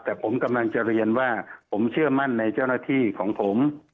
แต่ผมกำลังจะเรียนว่าผมเชื่อมั่นในเจ้าหน้าที่ของผม